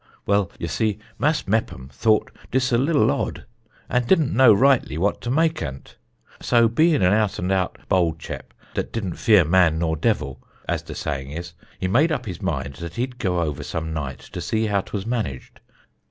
Well, ye see, Mas' Meppom thought dis a liddle odd, and didn't know rightly what to make ant. So bein' an out and out bold chep, dat didn't fear man nor devil, as de saying is, he made up his mind dat he'd goo over some night to see how 'twas managed.